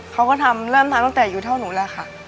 เขาก็ทำเริ่มทำตั้งแต่อยู่เท่าหนูแล้วค่ะ